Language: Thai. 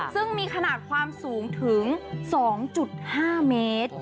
ซึ่งมีขนาดความสูงถึง๒๕เมตร